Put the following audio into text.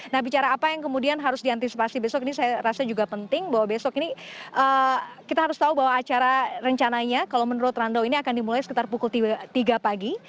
nah bicara apa yang kemudian harus diantisipasi besok ini saya rasa juga penting bahwa besok ini kita harus tahu bahwa acara rencananya kalau menurut rando ini akan dimulai sekitar pukul tiga pagi